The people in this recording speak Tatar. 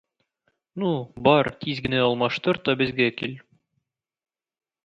Ну, бар, тиз генә алмаштыр да безгә кил